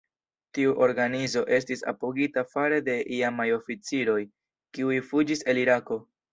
Tiu organizo estis apogita fare de iamaj oficiroj, kiuj fuĝis el Irako.